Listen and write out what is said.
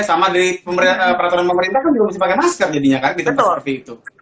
sama dari peraturan pemerintah kan juga mesti pakai masker jadinya kan kita telur v itu